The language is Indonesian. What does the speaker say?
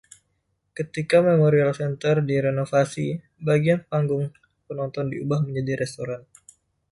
Ketika Memorial Centre direnovasi, bagian panggung penonton diubah menjadi restoran.